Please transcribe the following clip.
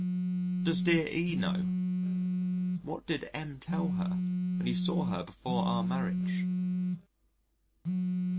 Does dear E know? What did M tell her when he saw her before our marriage?